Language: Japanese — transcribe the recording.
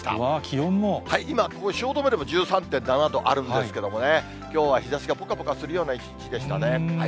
今、気温も汐留でも１３．７度あるんですけれどもね、きょうは日ざしがぽかぽかするような一日でしたね。